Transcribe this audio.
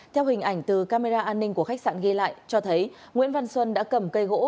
theo hình ảnh từ camera an ninh của khách sạn ghi lại cho thấy nguyễn văn xuân đã cầm cây gỗ